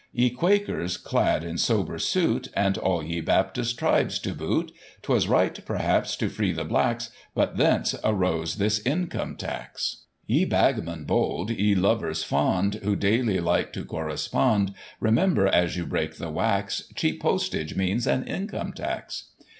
Ye Quakers, clad in sober suit. And all ye Baptist tribes to boot, 'Twas right, perhaps, to free the blacks. But, thence arose this Income Tax. Ye bagmen bold, ye lovers fond. Who daily like to correspond, Remember, as you break the wax. Cheap postage means an Income Tax.